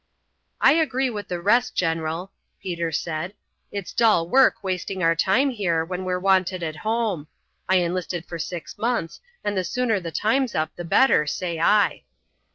"I agree with the rest, general," Peter said. "It's dull work wasting our time here when we're wanted at home. I enlisted for six months, and the sooner the time's up the better, say I."